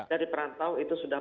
dari perantau itu sudah